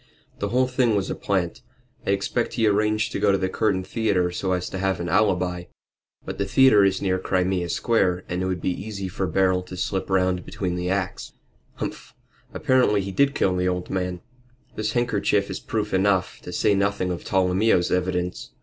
"The whole thing was a plant. I expect he arranged to go to the Curtain Theatre so as to have an alibi. But the theatre is near Crimea Square and it would be easy for Beryl to slip round between the acts. Humph! Evidently he did kill the old man this handkerchief is proof enough, to say nothing of Tolomeo's evidence.